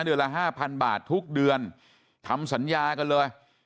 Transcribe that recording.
เดือนละห้าพันบาททุกเดือนทำสัญญากันเลย